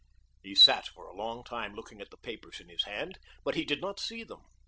He sat for a long time looking at the papers in his hand, but he did not see them.